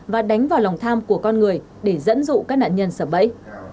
và đánh vào lòng tham của con người để dẫn dụ các nạn nhân sập bẫy